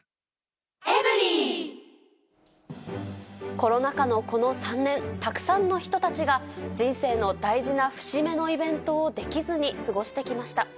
コロナ禍のこの３年、たくさんの人たちが人生の大事な節目のイベントをできずに過ごしてきました。